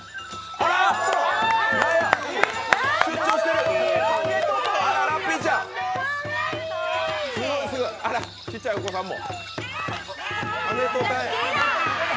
あらっ、ちっちゃいお子さんも。